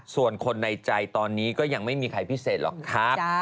ส่วนคนในใจตอนนี้ก็ยังไม่มีใครพิเศษหรอกครับ